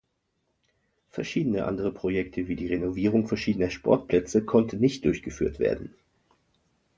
Verschiedene andere Projekte wie die Renovierung verschiedener Sportplätze konnten nicht durchgeführt werden.